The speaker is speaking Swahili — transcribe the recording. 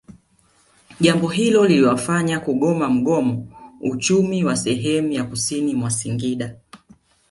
Jambo hilo liliwafanya kugoma mgomo Uchumi wa sehemu ya kusini mwa Singida